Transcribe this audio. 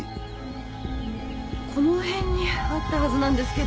この辺にあったはずなんですけど。